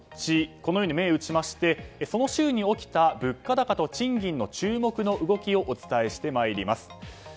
このように銘打ちましてその週に起きた、物価高と賃金の注目の動きをお伝えしてまいります。